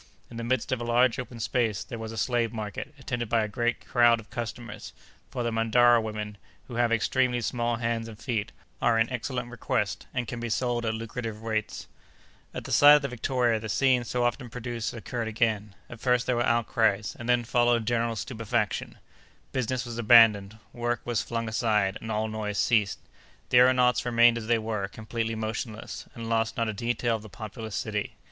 In the midst of a large open space there was a slave market, attended by a great crowd of customers, for the Mandara women, who have extremely small hands and feet, are in excellent request, and can be sold at lucrative rates. At the sight of the Victoria, the scene so often produced occurred again. At first there were outcries, and then followed general stupefaction; business was abandoned; work was flung aside, and all noise ceased. The aëronauts remained as they were, completely motionless, and lost not a detail of the populous city.